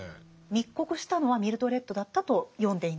密告したのはミルドレッドだったと読んでいいんですか？